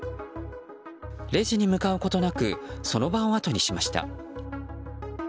レジに向かうことなくその場をあとにしました。